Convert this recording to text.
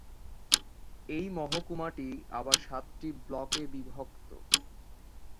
এই মহকুমাটি আবার সাতটি ব্লকে বিভক্ত।